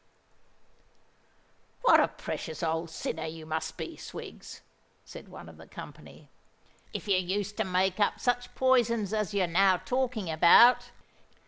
"What a precious old sinner you must be, Swiggs," said one of the company, "if you used to make up such poisons as you're now talking about."